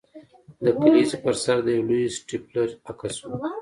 د کلیزې پر سر د یو لوی سټیپلر عکس و